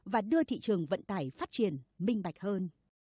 và đưa thị trường vận tải phát triển minh bạch hơn